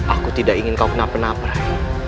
aku tidak ingin kau kenapa napa